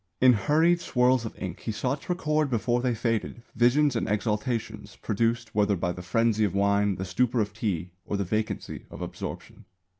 In hurried swirls of ink he sought to record before they faded visions and exaltations produced whether by the frenzy of wine, the stupor of tea, or the vacancy of absorption.